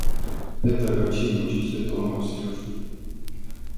Это огорчение учителя тронуло Сережу.